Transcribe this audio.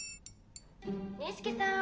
錦さん